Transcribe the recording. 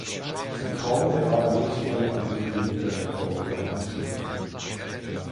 Sie konnte aber nicht mehr an die früheren Erfolge anknüpfen.